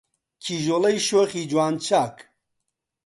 کیژۆڵەی شۆخی جوان چاک